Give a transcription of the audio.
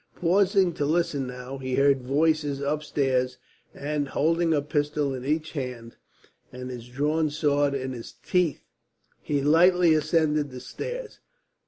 Pausing to listen now, he heard voices upstairs and, holding a pistol in each hand and his drawn sword in his teeth, he lightly ascended the stairs.